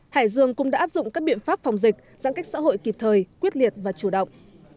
hải dương cũng đã áp dụng các biện pháp phòng dịch giãn cách xã hội kịp thời quyết liệt và chủ động